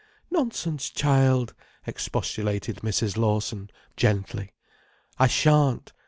"Nonsense, child!" expostulated Mrs. Lawson gently. "I shan't!